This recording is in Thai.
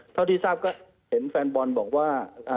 เท่าที่ทราบก็เห็นแฟนบอลบอกว่า